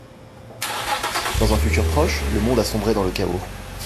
Dans un futur proche, le monde a sombré dans le chaos.